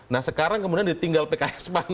nah sekarang kemudian ditinggal pks pan